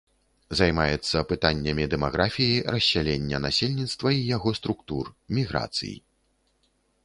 Займаецца пытаннямі дэмаграфіі, рассялення насельніцтва і яго структур, міграцый.